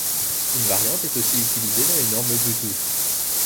Une variante est aussi utilisée dans les normes Bluetooth.